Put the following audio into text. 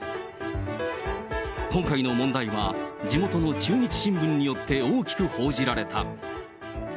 今回の問題は、地元の中日新聞によって大きく報じられた。